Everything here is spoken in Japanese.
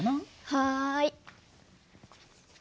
はい。